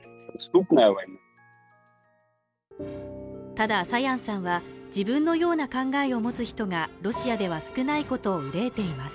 ただサヤンさんは自分のような考えを持つ人がロシアでは少ないことを憂いています